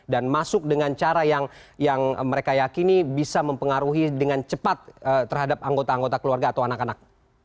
dan masuk dengan cara yang mereka yakini bisa mempengaruhi dengan cepat terhadap anggota anggota keluarga atau anak anak